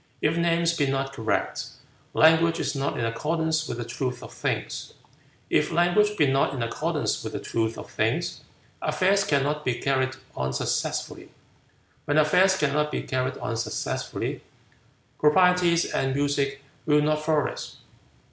If names be not correct, language is not in accordance with the truth of things. If language be not in accordance with the truth of things, affairs cannot be carried on successfully. When affairs cannot be carried on successfully, proprieties and music will not flourish.